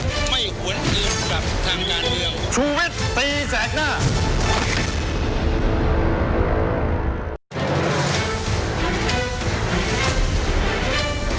ผมไม่หวนเกลียวกับทางงานเดียว